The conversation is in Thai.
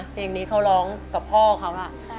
เพลงนี้เขาร้องกับพ่อเขา